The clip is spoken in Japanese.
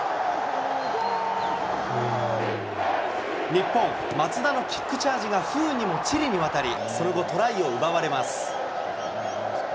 日本、松田のキックチャージが不運にもチリに渡り、その後、トライを奪われます。